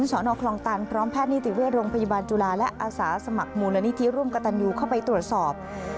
สอนอคลองตันพร้อมแพทย์นิติเวชโรงพยาบาลจุฬาและอาสาสมัครมูลนิธิร่วมกระตันยูเข้าไปตรวจสอบ